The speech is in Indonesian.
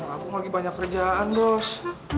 aku mau lagi banyak kerjaan bos